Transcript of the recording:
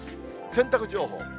洗濯情報。